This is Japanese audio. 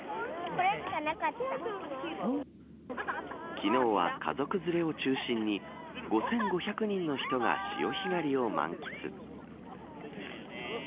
昨日は家族連れを中心に５５００人の人が潮干狩りを満喫。